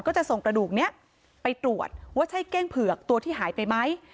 จะส่งกระดูกนี้ไปตรวจว่าใช่เก้งเผือกตัวที่หายไปไหม